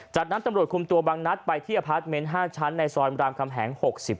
จากนั้นตำรวจคุมตัวบางนัดไปที่อพาร์ทเมนต์๕ชั้นในซอยรามคำแหง๖๙